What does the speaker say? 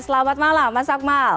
selamat malam mas akmal